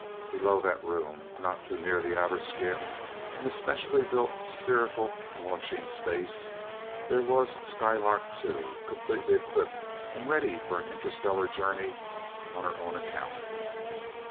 Below that room, not too near the outer skin, in a specially built spherical launching space, there was Skylark Two, completely equipped and ready for an interstellar journey on her own account!